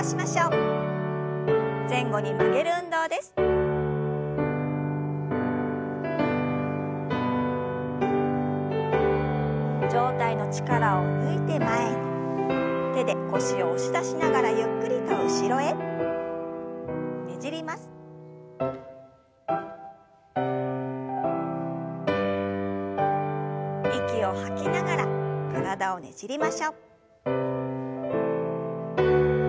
息を吐きながら体をねじりましょう。